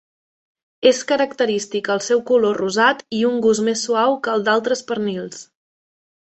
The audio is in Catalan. És característic el seu color rosat i un gust més suau que el d'altres pernils.